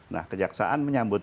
nah kejaksaan menyambut